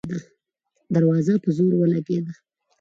دروازه په زور ولګېده.